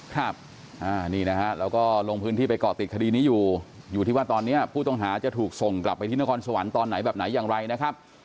ครับนี่นะฮะเราก็ลงพื้นที่ไปเกาะติดคดีนี้อยู่อยู่ที่ว่าตอนนี้ผู้ต้องหาจะถูกส่งกลับไปที่นครสวรรค์ตอนไหนแบบไหนอย่างไรนะครับ